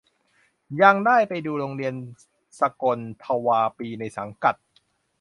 ยังได้ไปดูโรงเรียนสกลทวาปีในสังกัด